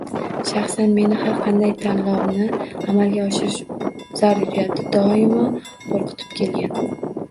Shaxsan meni har qanday tanlovni amalga oshirish zaruriyati doimo qo‘rqitib kelgan.